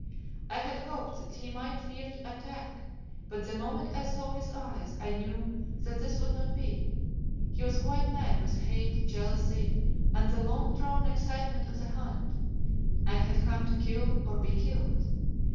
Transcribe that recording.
I had hoped that he might fear to attack, but the moment I saw his eyes, I knew that this would not be. He was quite mad with hate, jealousy, and the long drawn excitement of the hunt, and had come to kill or be killed.